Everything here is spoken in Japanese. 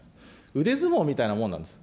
腕相撲みたいなもんなんです。